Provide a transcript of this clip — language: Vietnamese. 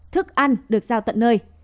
thức ăn được giao tận nơi